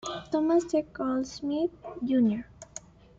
Thomas T. Goldsmith, Jr.